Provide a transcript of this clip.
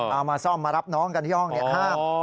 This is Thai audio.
เอามาซ่อมมารับน้องกันที่ห้องเนี่ยห้าม